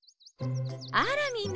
あらみんな！